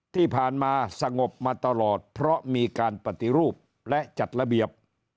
ที่ผ่านมาสงบมาตลอดเพราะมีการปฏิรูปและจัดระเบียบ